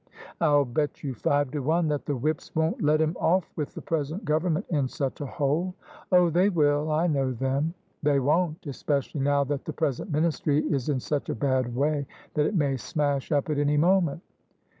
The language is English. " I'll bet you five to one that the whips won't let him oflE with the present Government in such a hole." " Oh! they will. I know them." "They won't: especially now that the present Ministry is in such a bad way that it may smash up at any moment."